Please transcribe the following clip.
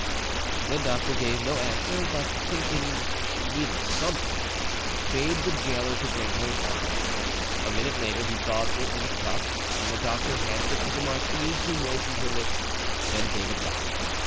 The doctor gave no answer; but, thinking she needed something, bade the gaoler to bring her wine. A minute later he brought it in a cup, and the doctor handed it to the marquise, who moistened her lips and then gave it back.